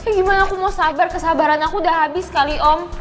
gimana aku mau sabar kesabaran aku udah habis kali om